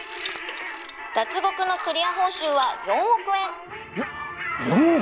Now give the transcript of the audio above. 「脱獄のクリア報酬は４億円」よ４億！？